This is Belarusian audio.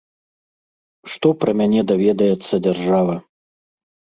Што пра мяне даведаецца дзяржава?